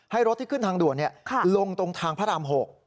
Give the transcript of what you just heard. รถที่ขึ้นทางด่วนลงตรงทางพระราม๖